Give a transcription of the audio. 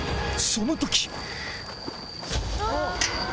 その時！